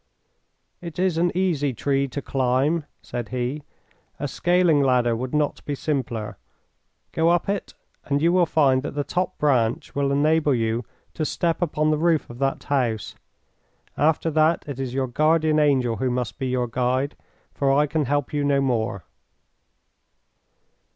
"It is an easy tree to climb," said he. "A scaling ladder would not be simpler. Go up it, and you will find that the top branch will enable you to step upon the roof of that house. After that it is your guardian angel who must be your guide, for I can help you no more."